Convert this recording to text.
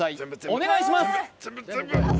お願いします！